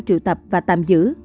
triệu tập và tạm giữ